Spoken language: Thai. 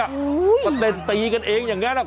เห้ยแต่เล่นตีกันเองอย่างแน่